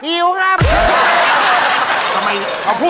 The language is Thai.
หิวครับ